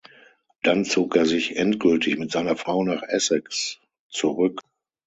Dann zog er sich endgültig mit seiner Frau nach Essex zurück.